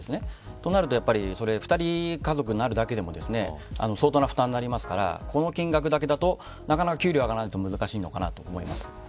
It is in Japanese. となると２人家族になるだけでも相当な負担になりますからこの金額だけだと、なかなか給料が上がらないと難しいと思います。